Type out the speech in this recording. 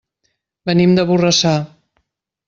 Venim de Borrassà.